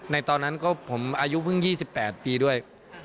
ตอนนั้นก็ผมอายุเพิ่ง๒๘ปีด้วย